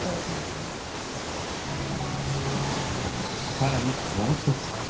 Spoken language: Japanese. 更にもうひとつ